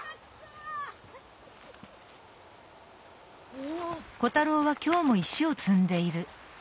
お！